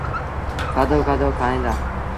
سآدو کآدو کائيٚݩ دآ۔